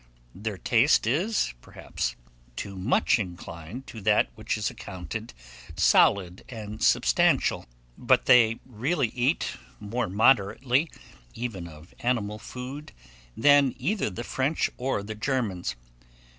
Their taste is, perhaps, too much inclined to that which is accounted solid and substantial; but they really eat more moderately, even of animal food, than either the French or the Germans.